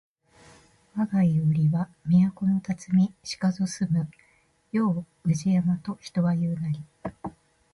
わが庵は都のたつみしかぞ住む世を宇治山と人は言ふなり